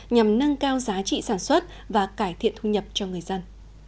nhằm nâng cao giá trị sản xuất và cải thiện thu nhập cho người dân